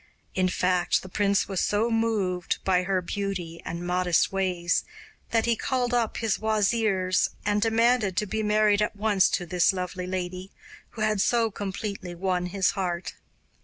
In fact, the prince was so moved by her beauty and modest ways that he called up his wazirs and demanded to be married at once to this lovely lady who had so completely won his heart.